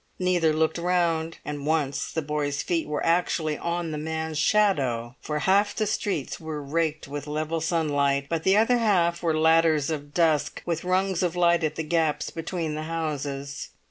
Neither looked round, and once the boy's feet were actually on the man's shadow; for half the streets were raked with level sunlight, but the other half were ladders of dusk with rungs of light at the gaps between the houses.